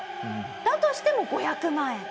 だとしても５００万円。